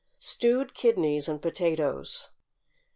=Stewed Kidneys and Potatoes.